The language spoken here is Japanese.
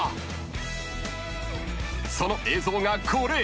［その映像がこれ］